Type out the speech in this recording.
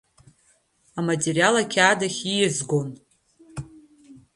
Аматериал ақьаад ахь ииазгон.